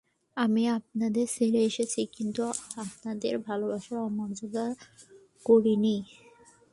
আমি আপনাদের ছেড়ে এসেছি কিন্তু আপনাদের ভালবাসার অমর্যাদা করি নি।